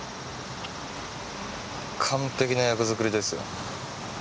完璧な役作りですよ。